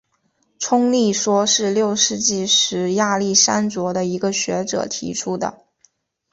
冲力说是六世纪时亚历山卓的一个学者提出的。